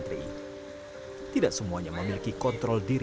kita mungkin menikmati sendiri